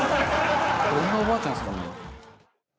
どんなおばあちゃんですか。